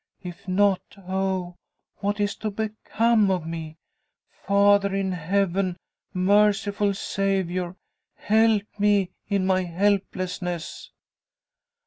If not, oh! what is to become of me? Father in Heaven! Merciful Saviour! help me in my helplessness!"